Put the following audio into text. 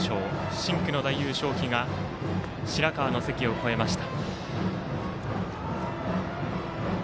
深紅の大優勝旗が白河の関を越えました。